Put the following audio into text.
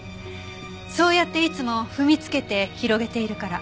そうやっていつも踏みつけて広げているから。